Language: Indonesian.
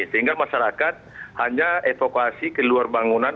sehingga masyarakat hanya evakuasi ke luar bangunan